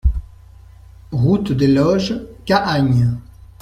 Route des Loges, Cahagnes